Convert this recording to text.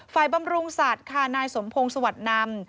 บำรุงสัตว์ค่ะนายสมพงศ์สวัสดิ์นำ